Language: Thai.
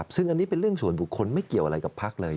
ซึ่งอันนี้เป็นเรื่องส่วนบุคคลไม่เกี่ยวอะไรกับพักเลย